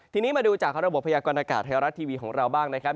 ทีนี้มาดูจากระบบพยากรณากาศไทยรัฐทีวีของเราบ้างนะครับ